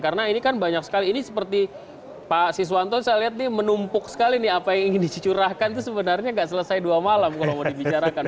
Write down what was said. karena ini kan banyak sekali ini seperti pak asiswanto saya lihat ini menumpuk sekali nih apa yang ingin dicurahkan itu sebenarnya nggak selesai dua malam kalau mau dibicarakan